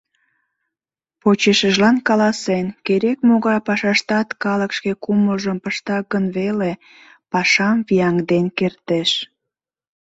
Почешыжлан каласена: керек-могай пашаштат калык шке кумылжым пышта гын веле, пашам вияҥден кертеш.